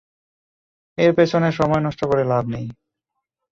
এর পেছনে সময় নষ্ট করে লাভ নেই।